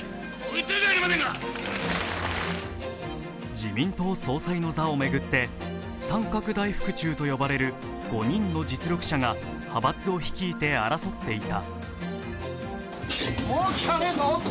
自民党総裁の座を巡って、三角大福中と呼ばれる５人の実力者が派閥を率いて争っていた。